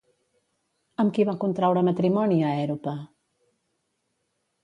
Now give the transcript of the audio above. Amb qui va contraure matrimoni Aèrope?